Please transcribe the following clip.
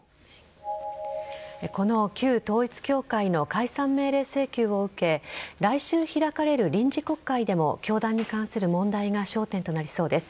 この旧統一教会の解散命令請求を受け来週開かれる臨時国会でも教団に関する問題が焦点となりそうです。